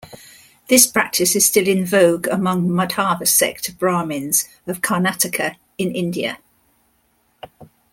This practice is still in vogue among Madhava sect Brahmins of Karnataka in India.